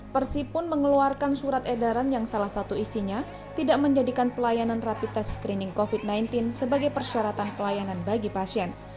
persib pun mengeluarkan surat edaran yang salah satu isinya tidak menjadikan pelayanan rapi tes screening covid sembilan belas sebagai persyaratan pelayanan bagi pasien